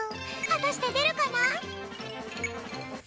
はたしてでるかな？